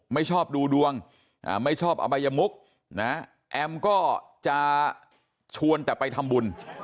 ไม่ชอบดูดวงไม่ชอบอบายมุกนะแอมก็จะชวนแต่ไปทำบุญ